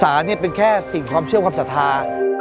ศาเนียส์เป็นแค่สิ่งคอมเชื่อความศรัทธา